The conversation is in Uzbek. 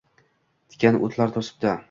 Tikan oʼtlar toʼsibdi…